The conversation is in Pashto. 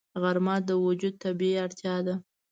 غرمه د وجود طبیعي اړتیا ده